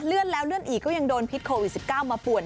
เลื่อนแล้วเลื่อนอีกก็ยังโดนพิษโควิด๑๙มาป่วน